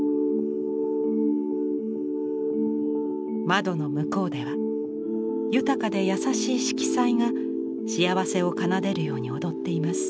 窓の向こうでは豊かで優しい色彩が幸せを奏でるように踊っています。